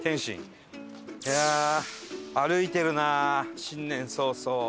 いやあ歩いてるな新年早々。